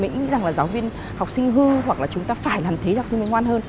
nghĩ rằng là giáo viên học sinh hư hoặc là chúng ta phải làm thế cho học sinh mới ngoan hơn